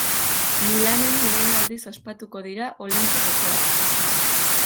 Milanen lehen aldiz ospatuko dira Olinpiar Jokoak.